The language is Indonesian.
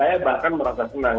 saya bahkan merasa senang